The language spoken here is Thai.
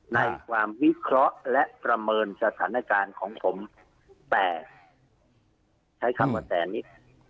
ในความวิเคราะห์และประเมินสถานการณ์ของผมแต่ใช้คำว่าแต่อันนี้